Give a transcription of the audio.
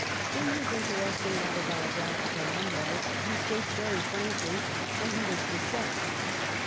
In his interesting autobigraphical memoirs he states very frankly how he v/as beset.